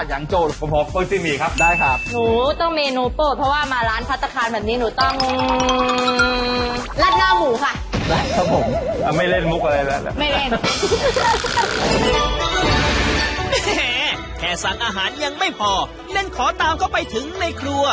งั้นขอตามเข้าไปถึงในครัว